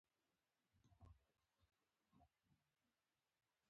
په سلو زرو ډالرو رایې نه اخلم.